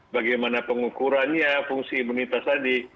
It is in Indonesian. bagaimana pengukurannya fungsi imunitas tadi